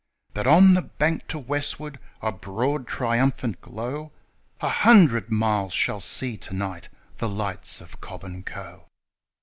But on the bank to westward a broad, triumphant glow A hundred miles shall see to night the lights of Cobb and Co.